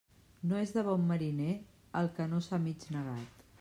No és de bon mariner el que no s'ha mig negat.